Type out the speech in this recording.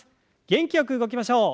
元気よく動きましょう。